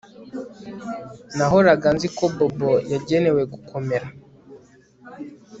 Nahoraga nzi ko Bobo yagenewe gukomera